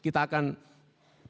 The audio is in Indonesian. kita akan selesai